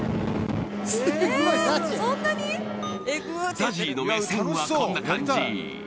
ＺＡＺＹの目線はこんな感じ。